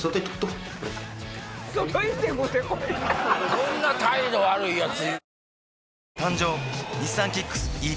こんな態度悪いヤツ。